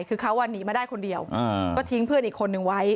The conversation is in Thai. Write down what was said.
คือเขาหนีมาได้คนเดียวก็ทิ้งเพื่อนอีกคนนึงไว้